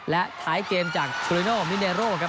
และท้ายเกมจากซูริโนมิเนโร่ครับ